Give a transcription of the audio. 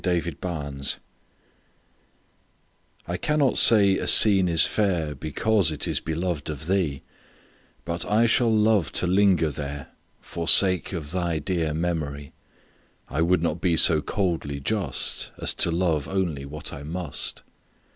IMPARTIALITY I cannot say a scene is fair Because it is beloved of thee But I shall love to linger there, For sake of thy dear memory; I would not be so coldly just As to love only what I must.